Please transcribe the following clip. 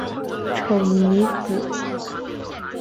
丑妮子。